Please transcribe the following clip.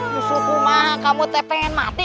susul kuma kamu teh pengen mati